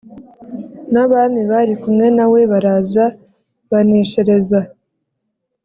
N abami bari kumwe na we baraza baneshereza